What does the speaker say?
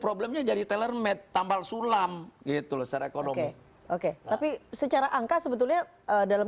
problemnya di telermath tambal sulam gitu secara ekonomi oke tapi secara angka sebetulnya dalam